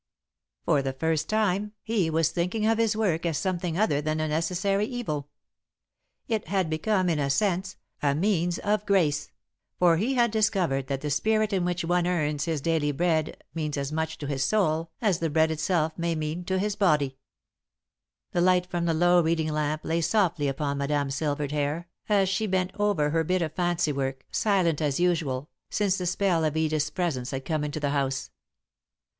For the first time he was thinking of his work as something other than a necessary evil. It had become, in a sense, a means of grace, for he had discovered that the spirit in which one earns his daily bread means as much to his soul as the bread itself may mean to his body. The light from the low reading lamp lay softly upon Madame's silvered hair, as she bent over her bit of fancy work, silent, as usual, since the spell of Edith's presence had come into the house.